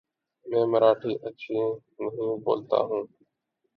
میں مراٹھی اچھی نہیں بولتا ہوں ـ